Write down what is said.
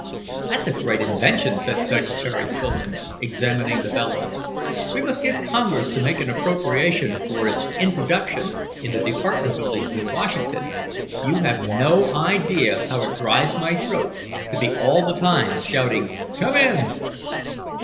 "That's a great invention," said Secretary Stillman, examining the bellows. "We must get Congress to make an appropriation for its introduction in the department buildings in Washington. You have no idea how it dries my throat to be all the time shouting, 'Come in!'"